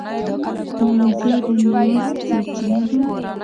ښوونځی د نوښت سرچینه ده